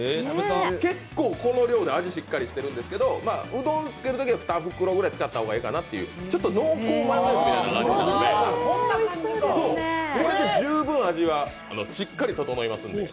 結構この量で味しっかりしてるんですけどうどんつけるときは２袋ぐらい使った方がいいかな、ちょっと濃厚マヨネーズみたいな感じなので、これで十分、味はしっかり調いますので。